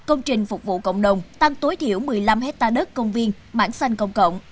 công trình phục vụ cộng đồng tăng tối thiểu một mươi năm hectare đất công viên mảng xanh công cộng